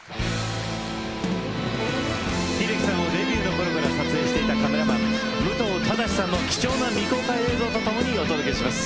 秀樹さんをデビューの頃から撮影していたカメラマン武藤義さんの貴重な未公開映像と共にお届けします。